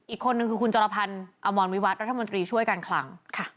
อีกคนหนึ่งคือคุณจรภัณฐ์อำวันวิวัตรระธามริช่วยกันขรั่ง